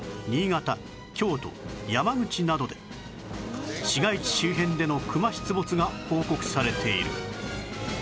京都山口などで市街地周辺でのクマ出没が報告されている